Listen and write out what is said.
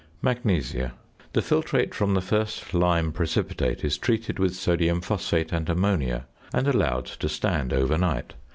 ~Magnesia.~ The filtrate from the first lime precipitate is treated with sodium phosphate and ammonia, and allowed to stand overnight.